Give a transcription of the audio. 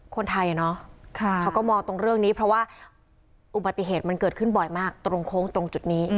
คนไทยเขาก็มองตรงเรื่องนี้เพราะว่าอุบัติเหตุมันเกิดขึ้นบ่อยมากตรงโค้งตรงจุดนี้